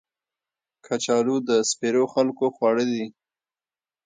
کچالو د سپېرو خلکو خواړه دي